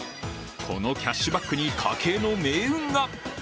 このキャッシュバックに家計の命運が。